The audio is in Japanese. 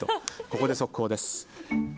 ここで速報です。